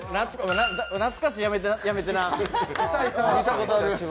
懐かしいって、やめてな。